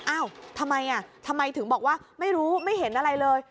อ้าวทำไมอ่ะทำไมทำไมถึงบอกว่าไม่รู้ไม่เห็นอะไรเลย